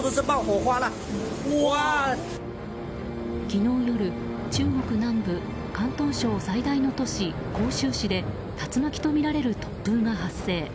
昨日夜、中国南部広東省最大の都市・広州市で竜巻とみられる突風が発生。